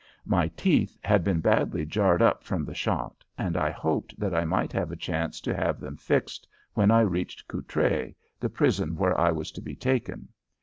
My teeth had been badly jarred up from the shot, and I hoped that I might have a chance to have them fixed when I reached Courtrai, the prison where I was to be taken.